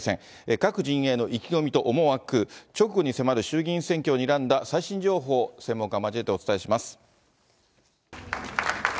各陣営の意気込みと思惑、直後に迫る衆議院選挙をにらんだ最新情報を、専門家を交えてお伝えします。